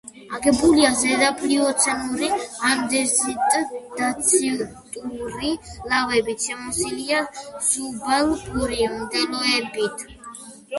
აგებულია ზედაპლიოცენური ანდეზიტ-დაციტური ლავებით, შემოსილია სუბალპური მდელოებით.